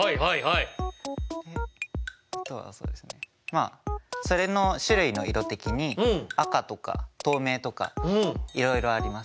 まあそれの種類の色的に赤とか透明とかいろいろあります。